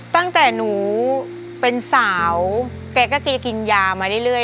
ตั้งแต่หนูเป็นสาวแกก็แกกินยามาเรื่อย